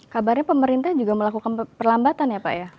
kabarnya pemerintah juga melakukan perlambatan ya pak ya